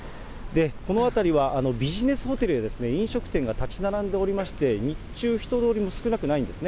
この辺りはビジネスホテルや飲食店が建ち並んでおりまして、日中、人通りも少なくないんですね。